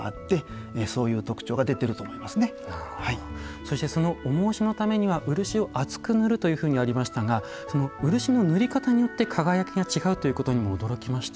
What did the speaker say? そしてその重押しのためには漆を厚く塗るというふうにありましたが漆の塗り方によって輝きが違うということにも驚きました。